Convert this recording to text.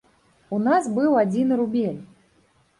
У нас быў адзіны рубель.